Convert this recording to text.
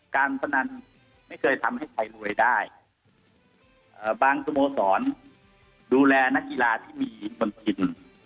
การพนันไม่เคยทำให้ใครรวยได้บางสโมสรดูแลนักกีฬาที่มีคนกิน